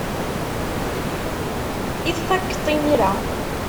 I tfakeḍ-t imir-a?